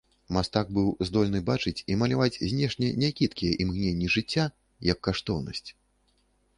Мастак быў здольны бачыць і маляваць знешне някідкія імгненні жыцця, як каштоўнасць.